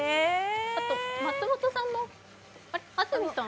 あと、松本さんも安住さん？